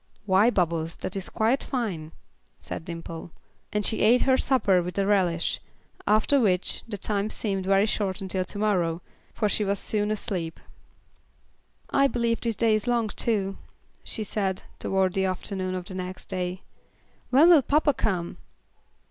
"Why, Bubbles, that is quite fine," said Dimple, and she ate her supper with a relish; after which, the time seemed very short until to morrow, for she was soon asleep. "I believe this day is long too," she said, toward the afternoon of the next day. "When will papa come?"